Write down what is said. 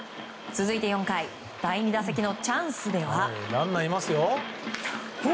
続いて４回第２打席のチャンスでは。